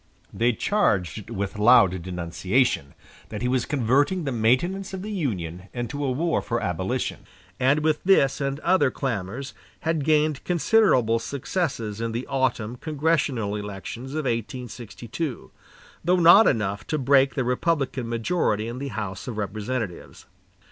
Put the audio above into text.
They charged with loud denunciation that he was converting the maintenance of the Union into a war for abolition, and with this and other clamors had gained considerable successes in the autumn congressional elections of 1862, though not enough to break the Republican majority in the House of Representatives.